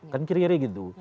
kan kiri kiri gitu